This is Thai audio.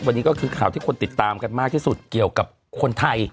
วันนี้ก็คือข่าวที่คนติดตามกันมากที่สุดเกี่ยวกับคนไทย